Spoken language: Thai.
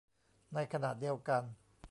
ในขณะเดียวกัน